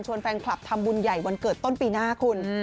แฟนคลับทำบุญใหญ่วันเกิดต้นปีหน้าคุณ